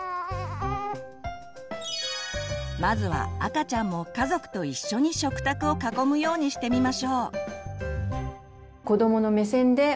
まずは赤ちゃんも家族と一緒に食卓を囲むようにしてみましょう。